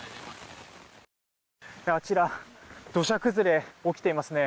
あちら土砂崩れが起きていますね。